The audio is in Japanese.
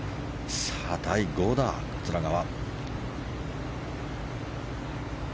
さあ第５打、桂川。